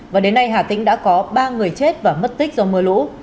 và đến nay hà tĩnh đã có ba người chết và mất tích do mưa lũ